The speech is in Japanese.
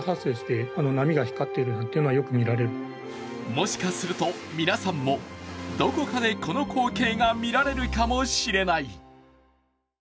もしかすると皆さんもどこかでこの光景が見られるかもしれない。